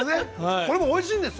これもおいしいんですよ。